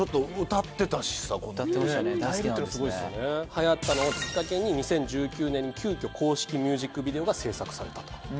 はやったのをきっかけに２０１９年に急遽公式ミュージックビデオが制作されたという事なんですね。